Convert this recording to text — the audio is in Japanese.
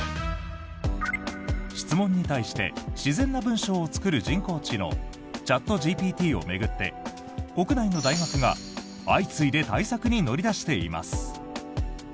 質問に対して自然な文章を作る人工知能チャットＧＰＴを巡って国内の大学が相次いで対策に乗り出しています。